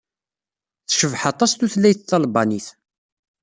Tecbeḥ aṭas tutlayt talbanit.